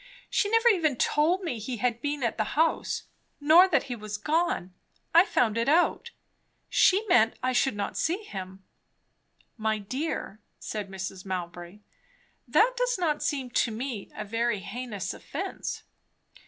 She never even told me he had been at the house, nor that he was gone. I found it out. She meant I should not see him." "My dear," said Mrs. Mowbray, "that does not seem to me a very heinous offence."